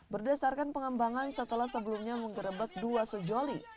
berdasarkan pengembangan setelah sebelumnya menggerebek dua sejoli